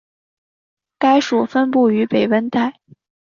该属分布于北温带。